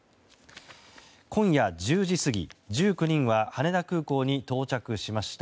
今夜１０時過ぎ、１９人は羽田空港に到着しました。